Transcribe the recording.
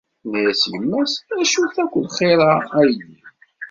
Tenna-as yemma-s: “Acu–t akk lxir-a a yelli? »